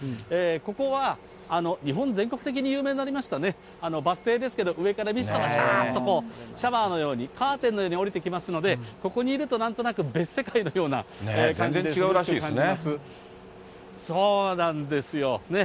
ここは日本全国的に有名になりましたね、バス停ですけど上からミストがしゃーっと、シャワーのように、カーテンのように下りてきますので、ここにいるとなんとなく別世界のような感じで、全然違うらしいですね。